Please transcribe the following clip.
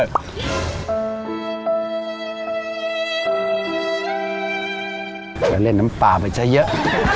แล้วเล่นน้ำปลาไปเฉยเยอะ